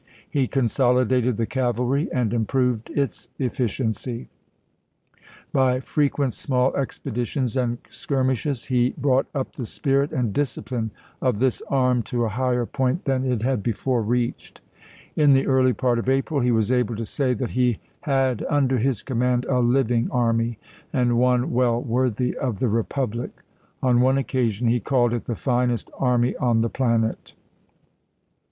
He con solidated the cavalry and improved its efficiency ; by frequent small expeditions and skirmishes he brought up the spirit and discipline of this arm to a higher point than it had before reached. In the Hooter early part of April he was able to say that he had TRe5o?t^' under his command " a living army, and one well onTSict worthy of the republic." On one occasion he ° lsk ar' called it "the finest army on the planet."